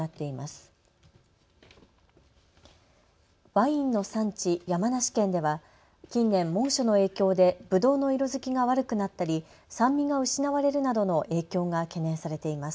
ワインの産地、山梨県では近年、猛暑の影響で、ぶどうの色づきが悪くなったり酸味が失われるなどの影響が懸念されています。